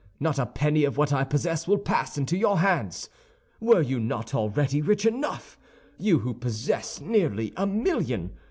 Not a penny of what I possess will pass into your hands. Were you not already rich enough—you who possess nearly a million?